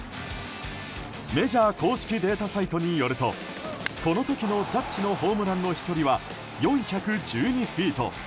メジャー公式データサイトによるとこの時のジャッジのホームランの飛距離は４１２フィート。